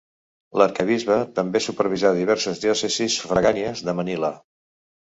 L'arquebisbe també supervisa diverses diòcesis sufragànies de Manila.